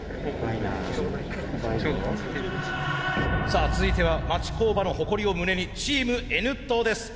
さあ続いては町工場の誇りを胸にチームＮットーです。